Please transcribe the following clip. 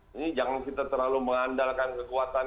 ini jangan kita terlalu mengandalkan kekuatan